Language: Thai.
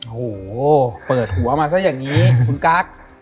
โอ้โหเปิดหัวมาซะอย่างนี้คุณกั๊ก